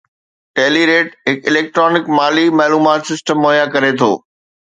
Telerate هڪ electronic مالي معلومات سسٽم مهيا ڪري ٿو